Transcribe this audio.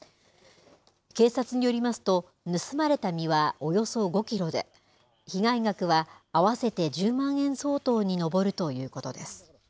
警察によりますと、盗まれた実はおよそ５キロで、被害額は合わせて１０万円相当に上るということです。